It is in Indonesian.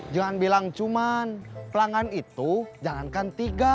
jangan bilang cuma pelanggan itu jangankan tiga